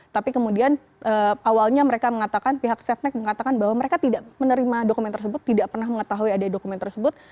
tapi kemudian awalnya mereka mengatakan pihak setnek mengatakan bahwa mereka tidak menerima dokumen tersebut tidak pernah mengetahui ada dokumen tersebut